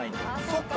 そっか。